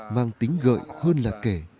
mang tính gợi hơn là kể